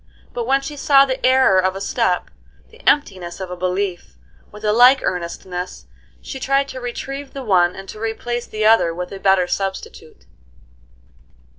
But when she saw the error of a step, the emptiness of a belief, with a like earnestness she tried to retrieve the one and to replace the other with a better substitute.